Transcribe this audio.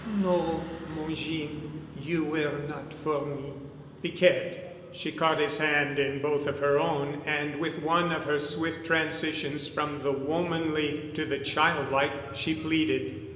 "No, mon Jeem, you were not for me." "Piquette!" She caught his hand in both of her own and with one of her swift transitions from the womanly to the child like she pleaded.